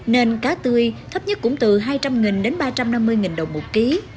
nên cá tươi thấp nhất cũng từ hai trăm linh đến ba trăm năm mươi đồng một ký